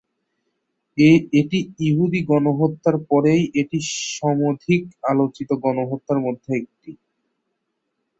এটি ইহুদি গণহত্যার পরেই এটি সমধিক আলোচিত গণহত্যার মধ্যে একটি।